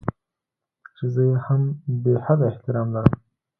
چې زه يې هم بې حده احترام لرم.